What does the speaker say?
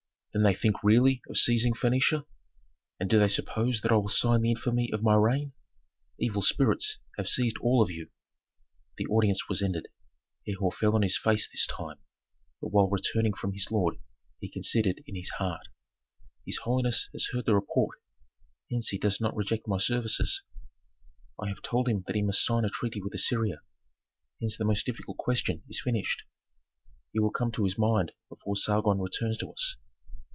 "Then they think really of seizing Phœnicia! And do they suppose that I will sign the infamy of my reign? Evil spirits have seized all of you!" The audience was ended. Herhor fell on his face this time, but while returning from his lord he considered in his heart, "His holiness has heard the report, hence he does not reject my services. I have told him that he must sign a treaty with Assyria, hence the most difficult question is finished. He will come to his mind before Sargon returns to us.